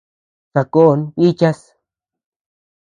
Sakón bíchas.